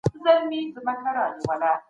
زه د سابو په خوړلو بوخت یم.